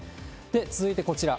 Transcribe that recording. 続いてこちら。